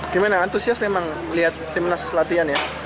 gimana antusias memang lihat timnas latihan ya